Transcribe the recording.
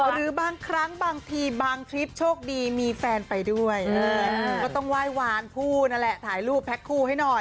หรือบางครั้งบางทีบางทริปโชคดีมีแฟนไปด้วยก็ต้องไหว้วานคู่นั่นแหละถ่ายรูปแพ็คคู่ให้หน่อย